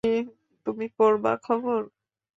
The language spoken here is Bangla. তুমি করবা খবর?